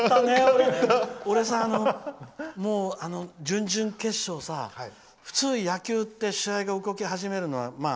俺さ、準々決勝さ普通、野球って試合が動き始めるのは。